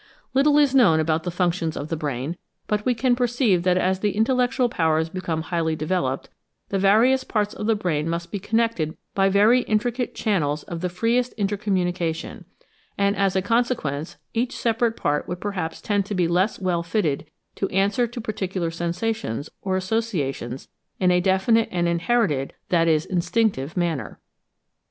Little is known about the functions of the brain, but we can perceive that as the intellectual powers become highly developed, the various parts of the brain must be connected by very intricate channels of the freest intercommunication; and as a consequence each separate part would perhaps tend to be less well fitted to answer to particular sensations or associations in a definite and inherited—that is instinctive—manner.